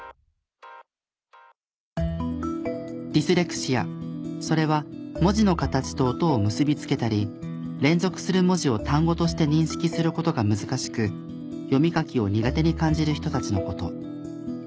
ディスレクシアそれは文字の形と音を結びつけたり連続する文字を単語として認識する事が難しく読み書きを苦手に感じる人たちの事。